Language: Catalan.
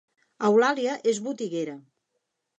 Eulàlia és botiguera